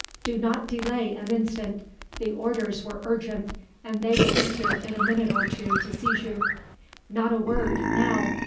Do not delay an instant. The orders were urgent, and they will be here in a minute or two to seize you. "Not a word, now.